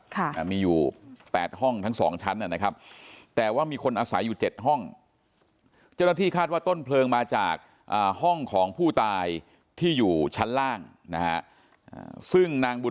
ค่ะมีอยู่๘ห้องทั้ง๒ชั้นนะครับแต่ว่ามีคนอาศัยอยู่๗ห้อง